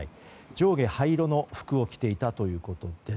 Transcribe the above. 上下灰色の服を着ていたということです。